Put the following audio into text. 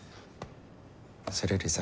それよりさ